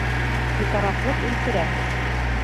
Битарафлыҡ үлтерә.